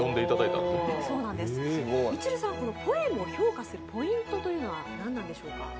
みちるさん、ポエムを評価するポイントは何なんでしょうか？